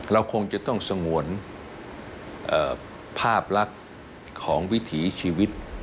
เราคงจะต้องสงวนภาพลักษณ์ของวิถีชีวิต